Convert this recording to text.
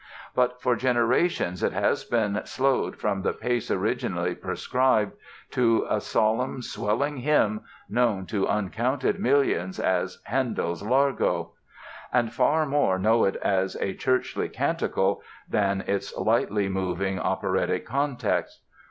But for generations it has been slowed from the pace originally prescribed to a solemn, swelling hymn known to uncounted millions as "Handel's Largo." And far more know it as a churchly canticle than its lightly moving operatic context.